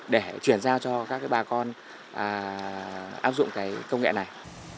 để chuyển giao cho các bà con áp dụng cái công nghệ này